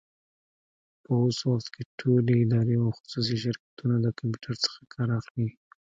په اوس وخت کي ټولي ادارې او خصوصي شرکتونه د کمپيوټر څخه کار اخلي.